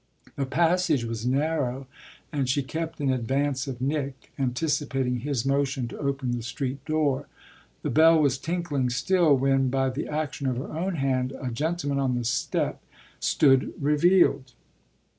The passage was narrow and she kept in advance of Nick, anticipating his motion to open the street door. The bell was tinkling still when, by the action of her own hand, a gentleman on the step stood revealed.